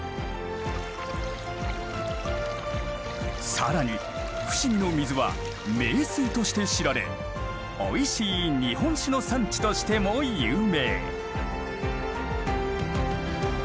更に伏見の水は名水として知られおいしい日本酒の産地としても有名。